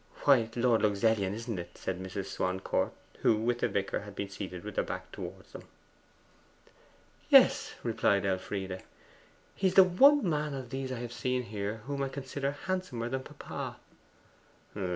'Why, Lord Luxellian, isn't it?' said Mrs. Swancourt, who with the vicar had been seated with her back towards them. 'Yes,' replied Elfride. 'He is the one man of those I have seen here whom I consider handsomer than papa.